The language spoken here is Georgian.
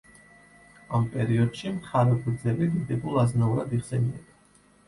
ამ პერიოდში მხარგრძელი დიდებულ აზნაურად იხსენიება.